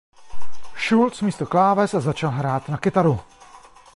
Šulc místo kláves začal hrát na kytaru.